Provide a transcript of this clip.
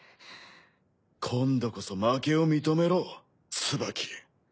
今度こそ負けを認めろツバキ。